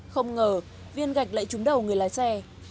không ngờ viên gạch lại trúng đầu người lái xe